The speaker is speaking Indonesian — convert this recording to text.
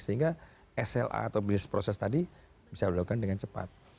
sehingga sla atau business process tadi bisa dilakukan dengan cepat